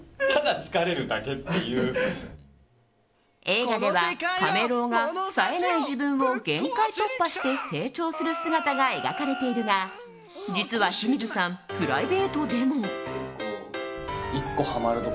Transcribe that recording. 映画では、カメ郎がさえない自分を限界突破して成長する姿が描かれているが実は清水さん、プライベートでも。